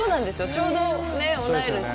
ちょうど同い年。